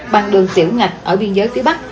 bằng đường tiểu ngạch ở biên giới phía bắc